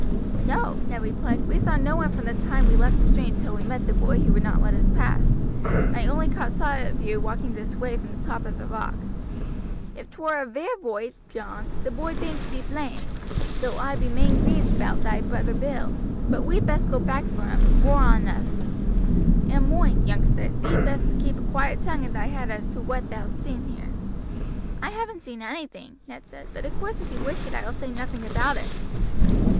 "No," Ned replied; "we saw no one from the time we left the stream till we met the boy who would not let us pass, and I only caught sight of you walking this way from the top of the rock." "If 'twere a vair voight, John, the boy bain't to be blamed, though oi be main grieved about thy brother Bill; but we'd best go back for him, voor on us. And moind, youngster, thee'd best keep a quiet tongue in thy head as to whaat thou'st seen here." "I haven't seen anything," Ned said; "but of course if you wish it I will say nothing about it."